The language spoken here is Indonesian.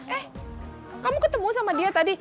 eh kamu ketemu sama dia tadi